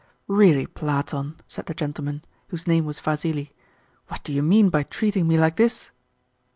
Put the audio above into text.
"Really, Platon," said the gentleman (whose name was Vassili), "what do you mean by treating me like this?"